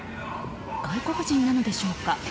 外国人なのでしょうか。